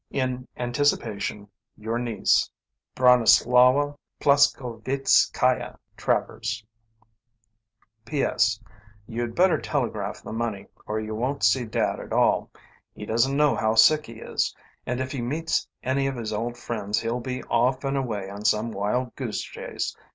"In anticipation, "Your niece, "BRONISLAWA PLASKOWEITZKAIA TRAVERS. "P.S. You'd better telegraph the money, or you won't see Dad at all. He doesn't know how sick he is, and if he meets any of his old friends he'll be off and away on some wild goose chase.